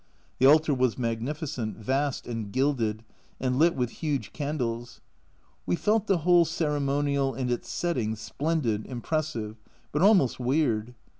The altar was magnificent, vast, and gilded and lit with huge candles. We felt the whole ceremonial and its setting splendid, impres sive, but almost weird.